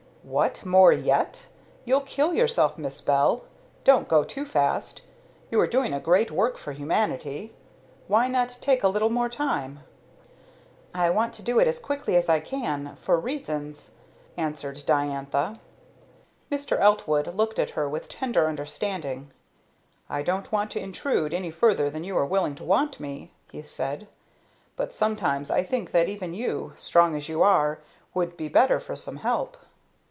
"What, more yet? You'll kill yourself, Miss Bell. Don't go too fast. You are doing a great work for humanity. Why not take a little more time?" "I want to do it as quickly as I can, for reasons," answered Diantha. Mr. Eltwood looked at her with tender understanding. "I don't want to intrude any further than you are willing to want me," he said, "but sometimes I think that even you strong as you are would be better for some help."